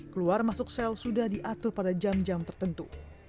keluar masuk sel sudah diatur pada jam jam tertentu